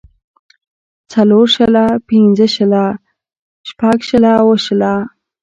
څلور شله پنځۀ شله شټږ شله اووه شله